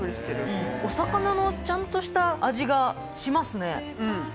お魚のちゃんとした味がしますね。